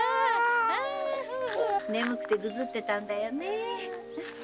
眠くてぐずってたんだよね？